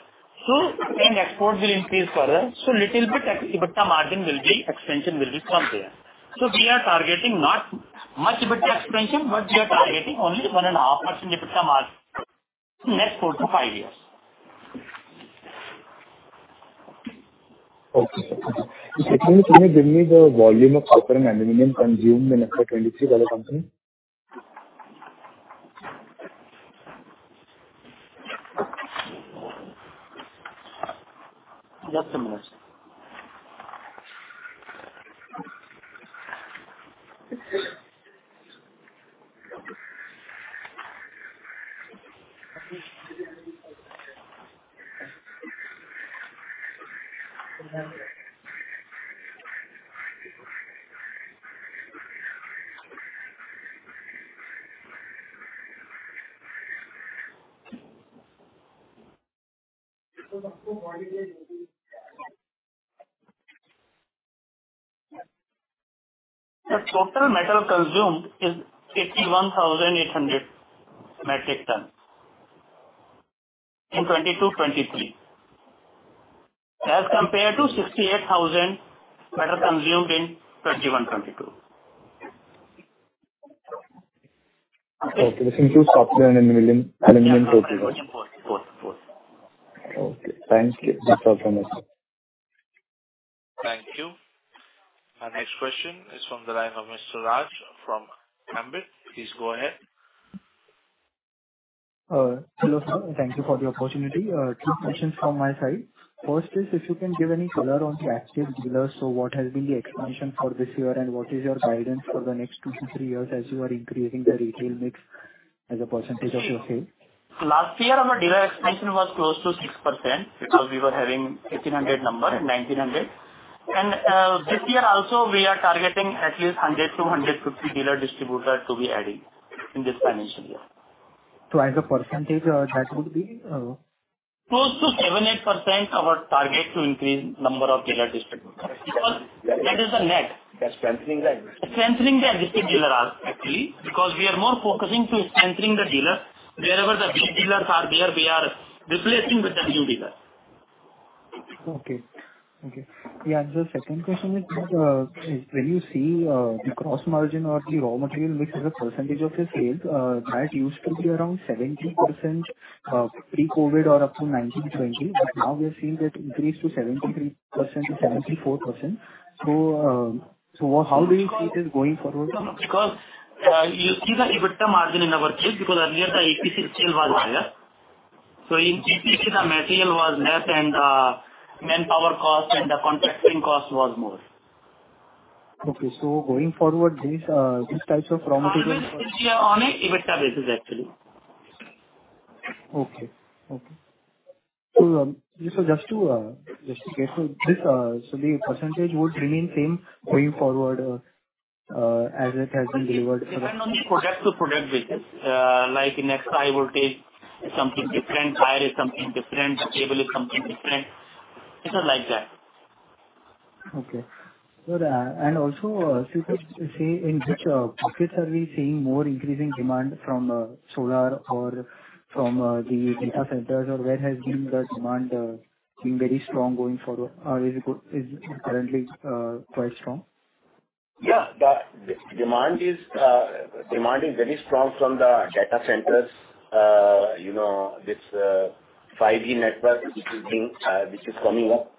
export will increase further, little bit EBITDA margin will be expansion will be from there. We are targeting not much EBITDA expansion, but we are targeting only 1.5% EBITDA margin in next four to five years. Okay. If you can just give me the volume of copper and aluminum consumed in FY 2023 by the company. Just a minute. The total metal consumed is 81,800 metric tons in 2022, 2023, as compared to 68,000 metal consumed in 2021, 2022. Okay. This includes software and aluminum profiles. Yeah, both. Okay. Thank you. That's all from my side. Thank you. Our next question is from the line of Mr. Raj from Ambit. Please go ahead. Hello, sir. Thank you for the opportunity. Two questions from my side. First is if you can give any color on the active dealers. What has been the expansion for this year, and what is your guidance for the next two to three years as you are increasing the retail mix as a percentage of your sales? Last year our dealer expansion was close to 6% because we were having 1,800 number and 1,900. This year also we are targeting at least 100-150 dealer distributor to be adding in this financial year. As a percentage, that would be... Close to 7%, 8% our target to increase number of dealer distributors. Because that is the net. They're strengthening the existing-. Strengthening the existing dealer actually, because we are more focusing to strengthening the dealer. Wherever the big dealers are there, we are replacing with the new dealer. Okay. Okay. Yeah, the second question is that, when you see the cost margin or the raw material mix as a percentage of your sales, that used to be around 70% pre-COVID or up to 2020. Now we are seeing that increase to 73%-74%. Because- How do you see this going forward? No, no, because you see the EBITDA margin in our case, because earlier the EPC still was higher. In EPC the material was less and manpower cost and the contracting cost was more. Okay. going forward, these types of raw material. Margin will be on a EBITDA basis, actually. Okay. Okay. Just to get to this, so the percentage would remain same going forward, as it has been delivered so far? Depend on the product to product basis. like in EHV voltage is something different, tire is something different, cable is something different. It's not like that. Okay. Also, if you can say in which pockets are we seeing more increasing demand from solar or from the data centers or where has been the demand been very strong going forward or is currently quite strong? The demand is very strong from the data centers. You know, this 5G network which is coming up.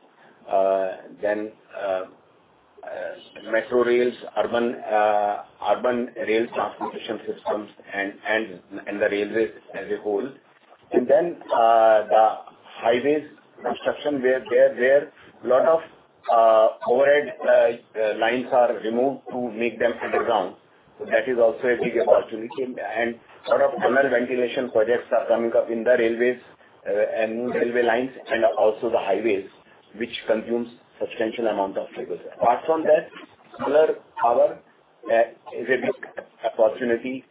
Metro rails, urban rail transportation systems and the railways as a whole. The highways construction where there lot of overhead lines are removed to make them underground. That is also a big opportunity. Lot of tunnel ventilation projects are coming up in the railways, and new railway lines and also the highways, which consumes substantial amount of cables. Apart from that, solar power is a big opportunity.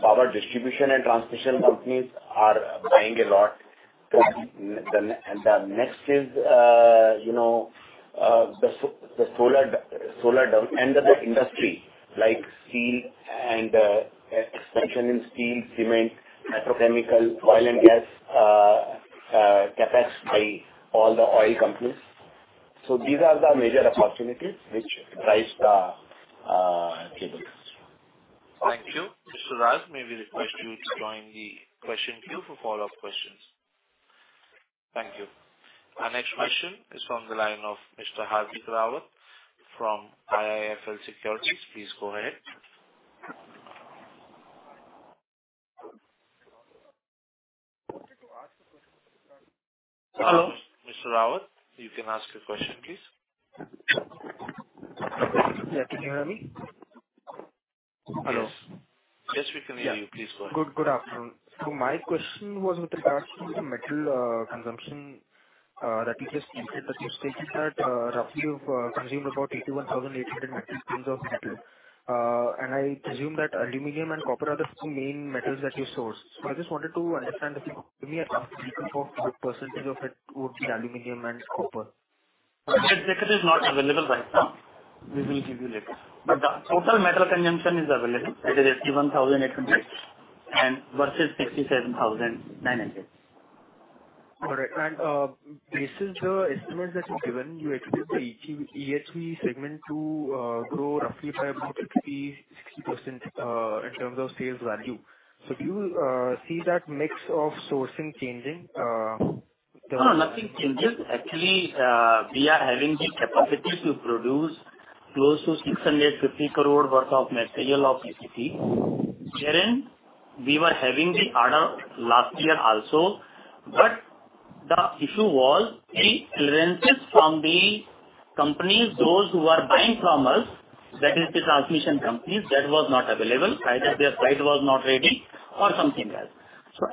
Power distribution and transmission companies are buying a lot. To the, and the next is, you know, and the industry, like steel and, expansion in steel, cement, petrochemical, oil and gas, CapEx by all the oil companies. These are the major opportunities which drives the cable consumption. Thank you. Mr. Raj, may we request you to join the question queue for follow-up questions. Thank you. Our next question is from the line of Mr. Hardik Rawat from IIFL Securities. Please go ahead. To ask the question, sir. Hello, Mr. Rawat. You can ask your question, please. Yeah. Can you hear me? Hello. Yes. Yes, we can hear you. Yeah. Please go ahead. Good afternoon. My question was with regards to the metal consumption that you just stated. You've stated that roughly you've consumed about 81,800 metric tons of metal. I presume that aluminum and copper are the two main metals that you source. I just wanted to understand if you could give me a rough breakdown for what percent of it would be aluminum and copper. That data is not available right now. We will give you later. The total metal consumption is available. That is 81,800 and versus 67,900. All right. Based on the estimates that you've given, you expect the EHV segment to grow roughly by about 50%-60% in terms of sales value. Do you see that mix of sourcing changing? No, no, nothing changes. We are having the capacity to produce close to 650 crore worth of material of EHV. We were having the order last year also. The issue was the clearances from the companies, those who are buying from us, that is the transmission companies, that was not available. Either their site was not ready or something else.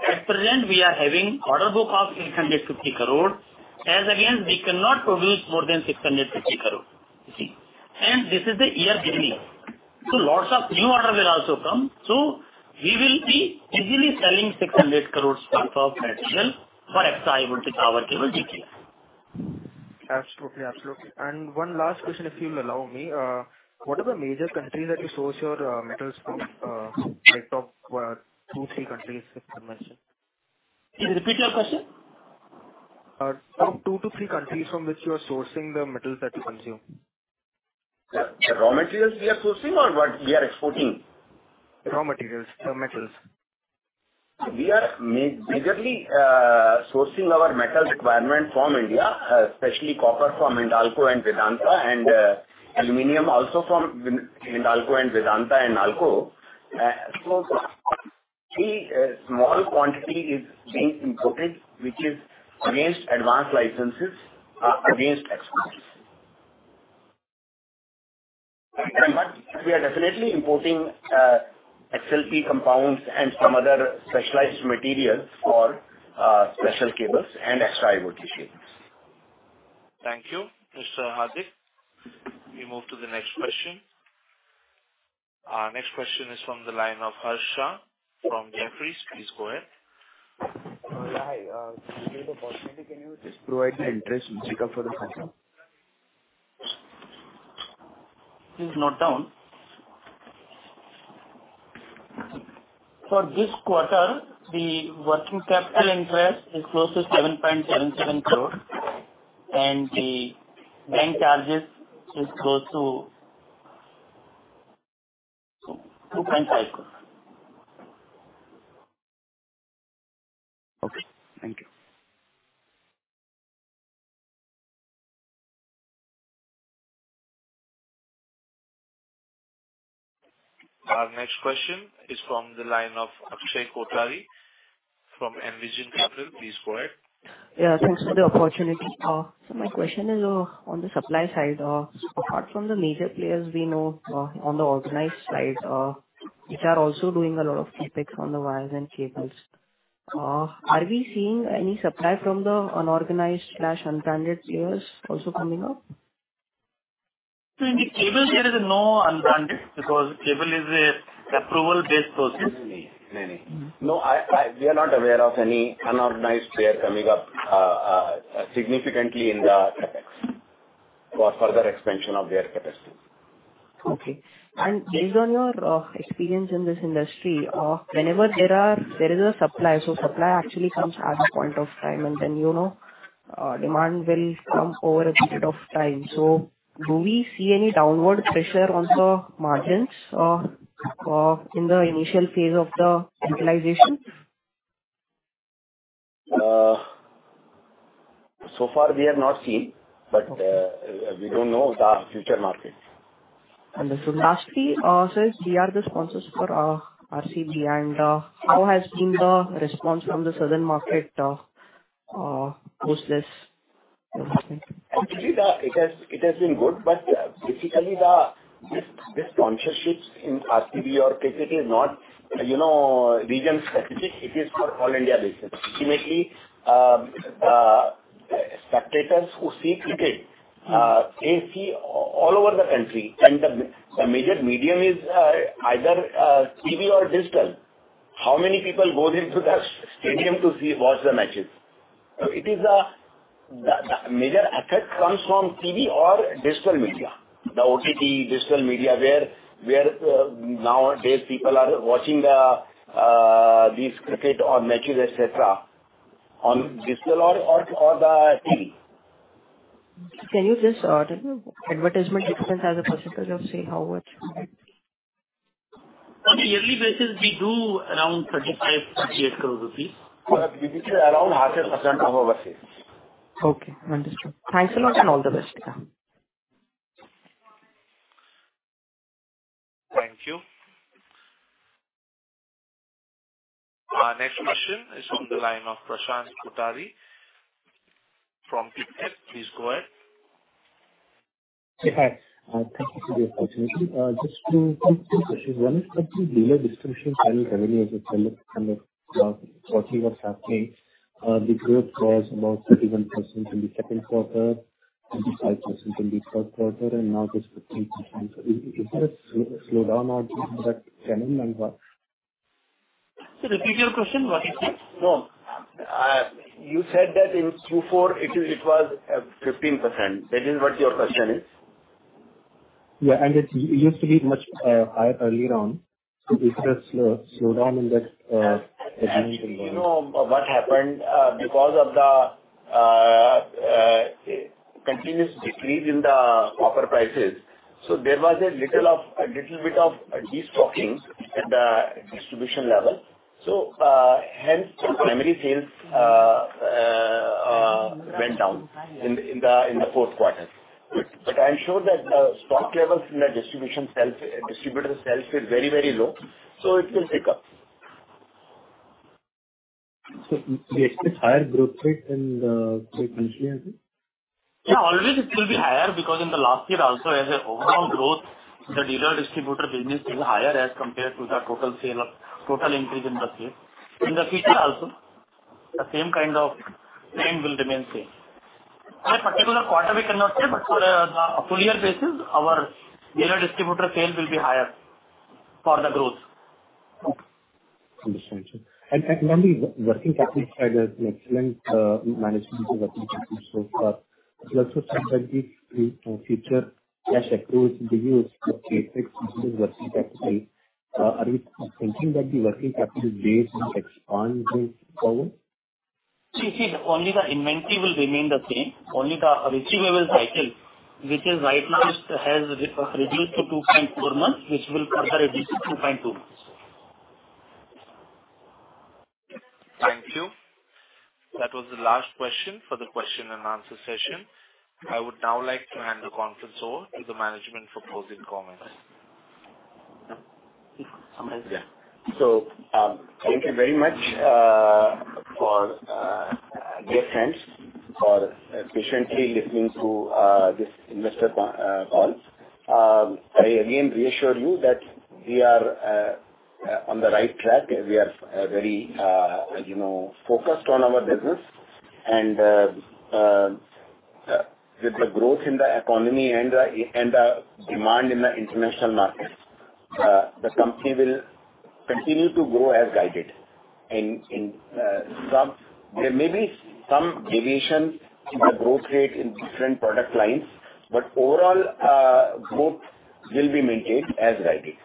At present we are having order book of 850 crore. Again, we cannot produce more than 650 crore. You see? This is the year beginning. Lots of new order will also come. We will be easily selling 600 crore worth of material for XI voltage, power cable, EHV. Absolutely. One last question, if you'll allow me. What are the major countries that you source your metals from? Like top, two, three countries if you can mention. Can you repeat the question? Two to three countries from which you are sourcing the metals that you consume. The raw materials we are sourcing or what we are exporting? Raw materials. Raw metals. We are majorly sourcing our metal requirement from India, especially copper from Hindalco and Vedanta, and aluminum also from Hindalco and Vedanta and Nalco. Small quantity is being imported, which is against advanced licenses, against exports. We are definitely importing XLPE compounds and some other specialized materials for special cables and Extra High-Voltage cables Thank you, Mr. Hardik. We move to the next question. Our next question is from the line of Harsh Shah from Jefferies. Please go ahead. Yeah. Hi, thank you for the opportunity. Can you just provide the interest in checkup for the quarter? Please note down. For this quarter, the working capital interest is close to 7.77 crore, and the bank charges is close to 2.5 crore. Okay. Thank you. Our next question is from the line of Akshay Kothari from Envision Capital. Please go ahead. Yeah. Thanks for the opportunity. My question is on the supply side. Apart from the major players we know, on the organized side, which are also doing a lot of CapEx on the wires and cables, are we seeing any supply from the unorganized/unbranded players also coming up? In the cable, there is no unbranded because cable is a approval-based process. No. We are not aware of any unorganized player coming up significantly in the CapEx for further expansion of their capacity. Okay. Based on your experience in this industry, whenever there is a supply, so supply actually comes at a point of time, and then, you know, demand will come over a period of time. Do we see any downward pressure on the margins in the initial phase of the utilization? So far we have not seen, but we don't know the future market. Understood. Lastly, sir, we are the sponsors for RCB, and how has been the response from the southern market post this investment? Actually, It has been good, basically this sponsorship in RCB or cricket is not, you know, region-specific. It is for all India basis. Ultimately, spectators who see cricket, they see all over the country, the major medium is either TV or digital. How many people goes into the stadium to see, watch the matches? It is the major effect comes from TV or digital media. The OTT digital media where nowadays people are watching these cricket or matches, et cetera, on digital or the TV. Can you just tell me advertisement expense as a percent of, say, how much? On a yearly basis we do around 35-38 crore rupees. It is around 0.5% or over 6%. Okay. Understood. Thanks a lot and all the best. Thank you. Our next question is on the line of Prashant Kothari from Pictet. Please go ahead. Hi. Thank you for the opportunity. Just two questions. One is that the dealer distribution channel revenue as a percent of, 40 what's happening. The growth was about 31% in the second quarter, 25% in the third quarter, and now just 15%. Is it a slowdown or is that channel mix? Sir, repeat your question. What is it? No. you said that in Q4 it was 15%. That is what your question is. Yeah. It used to be much high earlier on. Is this slowdown in that? You know what happened, because of the continuous decrease in the copper prices, there was a little bit of destocking at the distribution level. Hence primary sales, went down in the fourth quarter. I am sure that the stock levels in the distribution sales, distributor sales is very, very low, it will pick up. Do you expect higher growth rate in the as in? Yeah. Always it will be higher because in the last year also as a overall growth, the dealer distributor business is higher as compared to the total sale of, total increase in the sale. In the future also, the same kind of trend will remain same. For a particular quarter we cannot say, but for the full year basis, our dealer distributor sales will be higher for the growth. Okay. Understand, sir. On the working capital side, excellent management of the working capital so far. You also said that the future cash accruals will be used for CapEx versus working capital. Are we thinking that the working capital days will expand going forward? See, only the inventory will remain the same. Only the receivable cycle, which right now has reduced to 2.4 months, which will further reduce to 2.2 months. Thank you. That was the last question for the question and answer session. I would now like to hand the conference over to the management for closing comments. Thank you very much, dear friends, for patiently listening to this investor call. I again reassure you that we are on the right track. We are very, you know, focused on our business and with the growth in the economy and the demand in the international markets, the company will continue to grow as guided. There may be some deviation in the growth rate in different product lines, but overall, growth will be maintained as guided.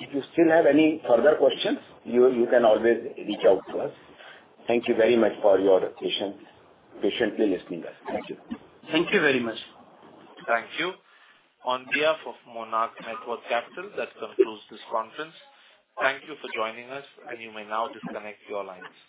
If you still have any further questions, you can always reach out to us. Thank you very much for your patience. Patiently listening to us. Thank you. Thank you very much. Thank you. On behalf of Monarch Networth Capital, that concludes this conference. Thank you for joining us. You may now disconnect your lines.